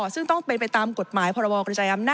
ซึ่งต้องเป็นไปตามกฎหมายพคออ